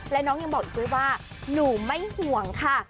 และน้องยังบอกอีกด้วยว่าหนูไม่ห่วงค่ะ